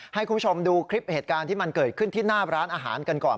ให้คุณผู้ชมดูคลิปเหตุการณ์ที่มันเกิดขึ้นที่หน้าร้านอาหารกันก่อน